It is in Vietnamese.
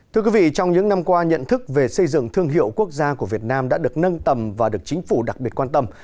thưa quý vị trong những năm qua nhận thức về xây dựng thương hiệu quốc gia của việt nam đã được nâng tầm và được chính phủ đặc biệt quan tâm